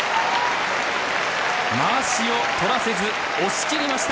まわしを取らせず押し切りました。